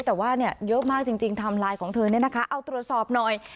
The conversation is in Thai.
แต่ว่าเนี่ยเยอะมากจริงจริงของเธอเนี่ยนะคะเอาตรวจสอบหน่อย